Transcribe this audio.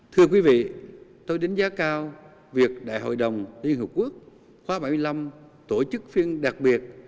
thưa quý vị tôi đánh giá cao việc đại hội đồng liên hợp quốc khóa bảy mươi năm tổ chức phiên đặc biệt